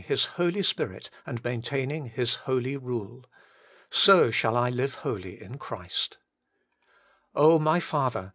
His Holy Spirit and maintaining His holy rule. So shall I live holy in Christ. my Father !